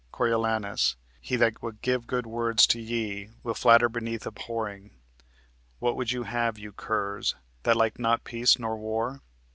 Coriolanus. He that will give good words to ye will flatter Beneath abhorring. What would you have, you curs, That like not peace nor war?